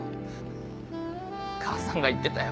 母さんが言ってたよ。